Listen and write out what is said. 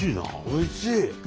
おいしい！